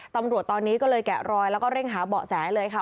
ตำรวจตอนนี้ก็เลยแกะรอยแล้วก็เร่งหาเบาะแสเลยค่ะ